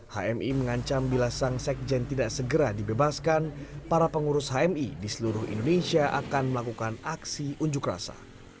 hmi mengancam bila sang sekjen tidak segera dibebaskan para pengurus hmi di seluruh indonesia akan melakukan aksi unjuk rasa